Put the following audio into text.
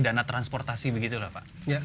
dana transportasi begitu pak